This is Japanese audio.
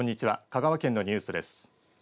香川県のニュースです。